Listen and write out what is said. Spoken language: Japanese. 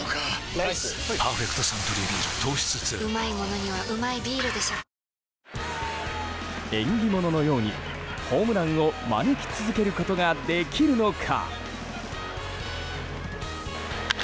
ライス「パーフェクトサントリービール糖質ゼロ」縁起物のようにホームランを招き続けることができるのか。